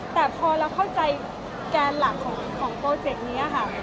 แต่พอเราเข้าใจแกนหลักของโปรเจกต์นี้ค่ะ